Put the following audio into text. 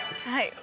はい。